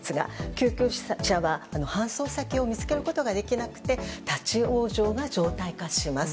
救急車は搬送先を見つけることができなくて立ち往生が常態化します。